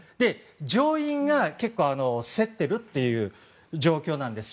上院が結構、競っているという状況です。